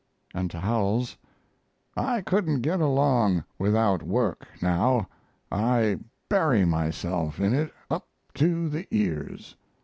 And to Howells: I couldn't get along without work now. I bury myself in it up to the ears.